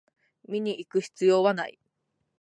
見にいく必要はない